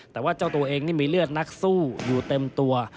แต่ว่าเจ้าตัวเองนี่มีเลือดนักสู้อยู่เต็มตัว